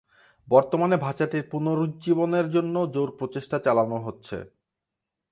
বর্তমানে ভাষাটির পুনরুজ্জীবনের জন্য জোর প্রচেষ্টা চালানো হচ্ছে।